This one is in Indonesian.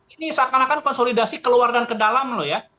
ini seakan akan konsolidasi keluar dan ke dalam loh ya